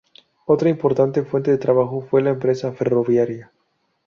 Otra importante fuente de trabajo, fue la empresa ferroviaria.